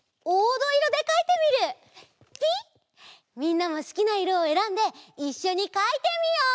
みんなもすきないろをえらんでいっしょにかいてみよう！